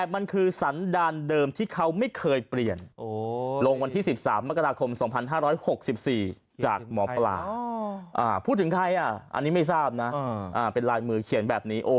พูดถึงใครอ่ะอันนี้ไม่ทราบนะเป็นลายมือเขียนแบบนี้